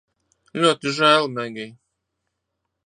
Ļoti žēl, Megij